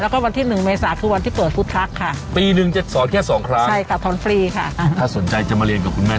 ก็คือปีละสองครั้ง